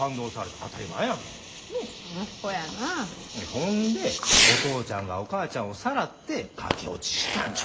ほんでお父ちゃんがお母ちゃんをさらって駆け落ちしたんじゃ。